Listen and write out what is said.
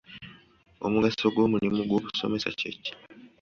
Omugaso gw’omulimu gobusoomesa kyeki?